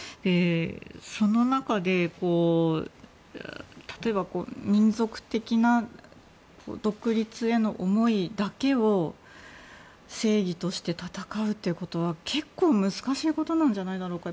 その中で例えば民族的な独立への思いだけを正義として戦うということは結構、難しいことだろうかと。